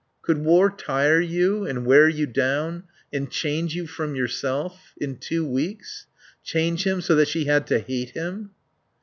Could war tire you and wear you down, and change you from yourself? In two weeks? Change him so that she had to hate him!